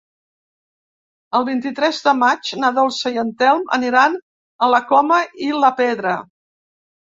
El vint-i-tres de maig na Dolça i en Telm aniran a la Coma i la Pedra.